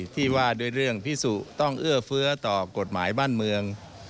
ที่ว่าด้วยเรื่องพิสุต้องเอื้อเฟื้อต่อกฎหมายบ้านเมือง